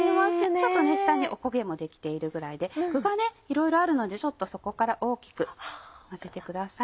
ちょっと下にお焦げも出来ているぐらいで具がいろいろあるので底から大きく混ぜてください。